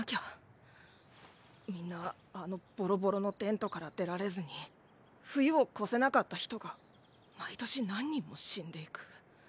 みんなあのボロボロのテントから出られずに冬を越せなかった人が毎年何人も死んでいく。